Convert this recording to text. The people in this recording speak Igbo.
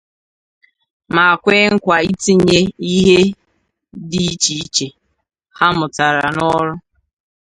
ma kwe nkwà itinye ihe dị ivhe iche ha mụtara n'ọrụ